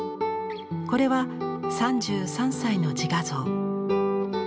これは３３歳の自画像。